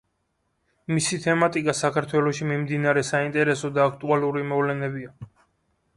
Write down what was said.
მისი თემატიკა საქართველოში მიმდინარე საინტერესო და აქტუალურ მოვლენებია.